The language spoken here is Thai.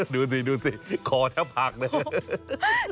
ดูสิดูสิขอแช่ผักเลย